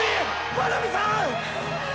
真波さん！！